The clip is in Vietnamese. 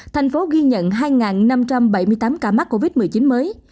thành phố ghi nhận hai năm trăm bảy mươi tám ca mắc covid một mươi chín mới